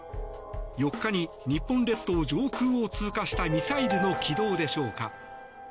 ４日に日本列島上空を通過したミサイルの軌道でしょうか。